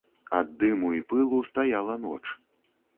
Ад дыму і пылу стаяла ноч.